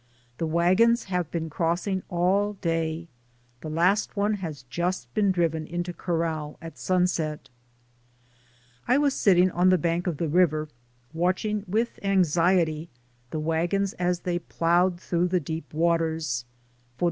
The wagons have been crossing all day, the last one has just been driven into corral at sunset. I was sitting on the bank of the river watching with anxiety the wagons as they ploughed through the deep waters — for the 124 DAYS ON THE ROAD.